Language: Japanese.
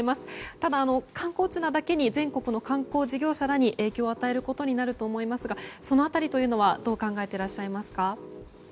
ただ、観光地なだけに全国の観光事業者らに影響を与えることになるかと思いますがその辺りというのはどう考えられていますか。